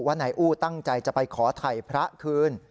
นายอู้ตั้งใจจะไปขอถ่ายพระคืน